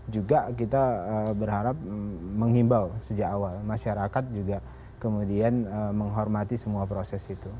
juga kita berharap menghimbau sejak awal masyarakat juga kemudian menghormati semua proses itu